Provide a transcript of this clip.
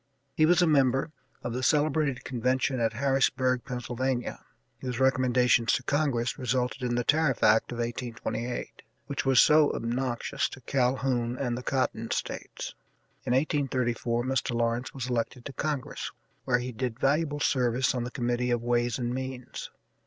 He was a member of the celebrated convention at Harrisburg, Pennsylvania, whose recommendations to Congress resulted in the tariff act of 1828, which was so obnoxious to Calhoun and the Cotton States. In 1834 Mr. Lawrence was elected to Congress, where he did valuable service on the Committee of Ways and Means.